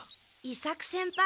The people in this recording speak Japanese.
伊作先輩。